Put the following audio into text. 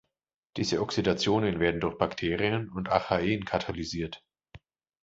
Diese Oxidationen werden durch Bakterien und Archaeen katalysiert.